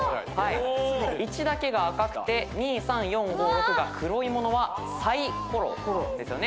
１だけが赤くて２３４５６が黒いものはサイコロですよね。